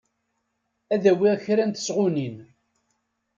Ad awiɣ kra n tesɣunin.